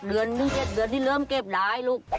๖๗เดือนที่เริ่มเก็บหลายลูก